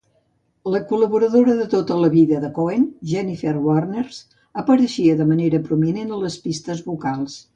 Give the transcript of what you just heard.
La col·laboradora de tota la vida de Cohen, Jennifer Warnes, apareixia de manera prominent a les pistes vocals.